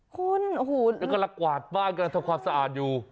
เขาก็ละกวาดบ้านกันต่อความสะอาดอยู่